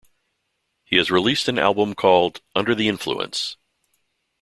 He has released an album called "Under the Influence".